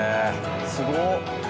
すごっ！